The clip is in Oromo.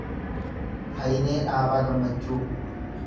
Fayinee Dhaabaa Gammachuu